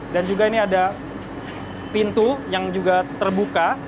dan juga ini ada pintu yang juga terbuka